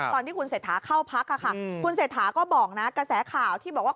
ตอนที่คุณเศรษฐาเข้าพักค่ะคุณเศรษฐาก็บอกนะกระแสข่าวที่บอกว่า